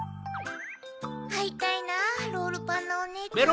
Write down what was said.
あいたいなロールパンナおねえちゃん。